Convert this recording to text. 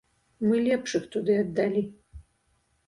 Мы лепшых туды аддалі.